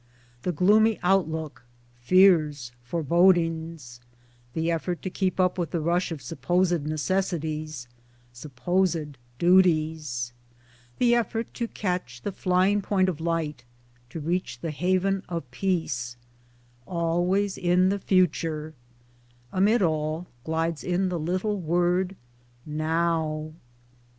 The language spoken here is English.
The gloomy outlook, fears, forebodings, The effort to keep up with the rush of supposed neces sities, supposed duties, The effort to catch the flying point of light, to reach the haven of Peace ŌĆö always in the future ŌĆö Amid all, glides in the little word Now.